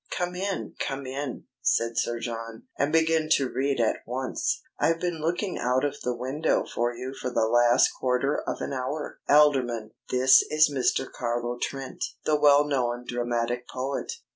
"Come in, come in!" said Sir John. "And begin to read at once. I've been looking out of the window for you for the last quarter of an hour. Alderman, this is Mr. Carlo Trent, the well known dramatic poet.